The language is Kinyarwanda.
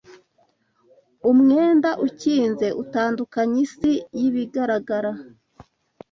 Umwenda ukinze utandukanya isi y’ibigaragara